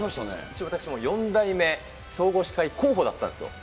一応、私、４代目総合司会候補だったんですよ。